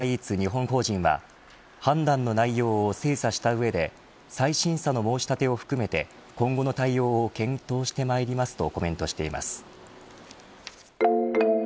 運営会社のウーバーイーツ日本法人は判断の内容を精査した上で再審査の申し立てを含めて今後の対応を検討してまいりますとコメントしています。